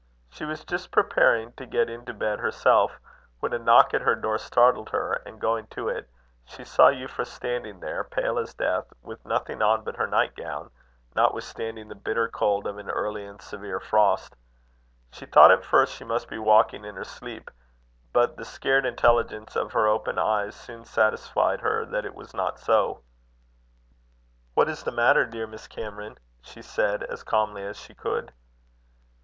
She was just preparing to get into bed herself, when a knock at her door startled her, and going to it, she saw Euphra standing there, pale as death, with nothing on but her nightgown, notwithstanding the bitter cold of an early and severe frost. She thought at first she must be walking in her sleep, but the scared intelligence of her open eyes, soon satisfied her that it was not so. "What is the matter, dear Miss Cameron?" she said, as calmly as she could.